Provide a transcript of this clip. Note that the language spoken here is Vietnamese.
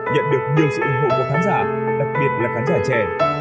nhận được nhiều sự ủng hộ của khán giả đặc biệt là khán giả trẻ